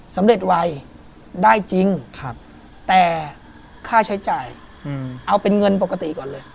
สำเร็จไวได้จริงแต่ค่าใช้จ่ายเอาเป็นเงินปกติก่อนเลย